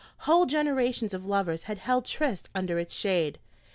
Whole generations of lovers had held tryst under its shade.